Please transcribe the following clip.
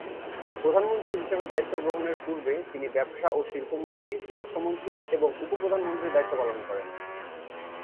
প্রধানমন্ত্রী হিসেবে দায়িত্ব গ্রহণের পূর্বে তিনি ব্যবসা ও শিল্প মন্ত্রী, অর্থমন্ত্রী এবং উপ-প্রধানমন্ত্রীর দায়িত্ব পালন করেন।